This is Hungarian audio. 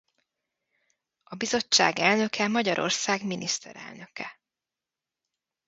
A Bizottság elnöke Magyarország miniszterelnöke.